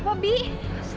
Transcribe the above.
nggak melewati kekerasan